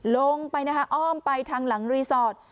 ลงไปนะคะอ้อมไปทางหลังรีสอร์ท